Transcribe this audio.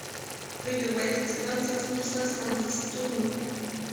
Rue de West, vingt-sept mille cinq cent dix Tourny